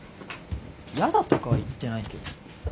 嫌だとかは言ってないけど。